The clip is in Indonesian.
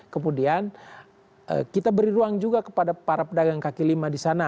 kemudian kita beri ruang juga kepada para pedagang kaki lima di sana